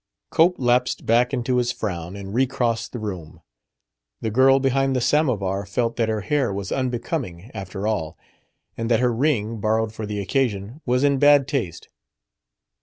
Cope lapsed back into his frown and recrossed the room. The girl behind the samovar felt that her hair was unbecoming, after all, and that her ring, borrowed for the occasion, was in bad taste.